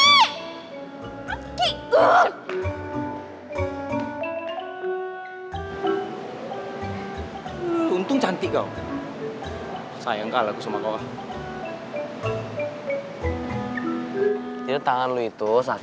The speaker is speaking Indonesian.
bukti apa lagi man ini semua terbukti sudah